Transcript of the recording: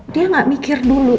dia gak mikir dulu